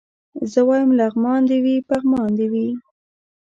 زه وايم لغمان دي وي پغمان دي وي